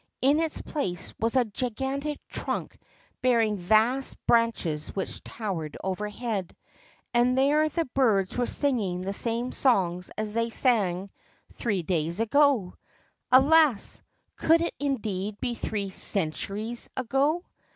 In its place was a gigantic trunk bearing vast branches which towered overhead. And there the birds were singing the same songs as they sang three days ago ! Alas ! could it indeed be three centuries ago?